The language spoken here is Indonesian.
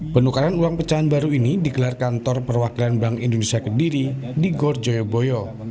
penukaran uang pecahan baru ini digelar kantor perwakilan bank indonesia kediri di gorjoyo boyo